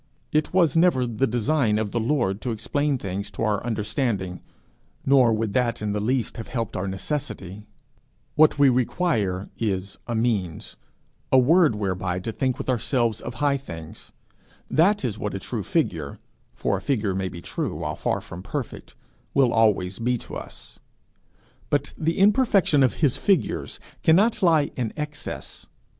It was never the design of the Lord to explain things to our understanding nor would that in the least have helped our necessity; what we require is a means, a word, whereby to think with ourselves of high things: that is what a true figure, for a figure may be true while far from perfect, will always be to us. But the imperfection of his figures cannot lie in excess.